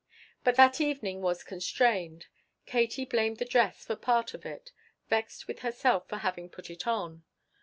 But their evening was constrained. Katie blamed the dress for part of it, vexed with herself for having put it on.